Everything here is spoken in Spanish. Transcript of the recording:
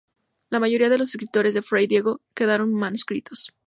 La mayoría de los escritos de fray Diego quedaron manuscritos.